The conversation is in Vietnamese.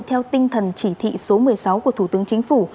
theo tinh thần chỉ thị số một mươi sáu của thủ tướng chính phủ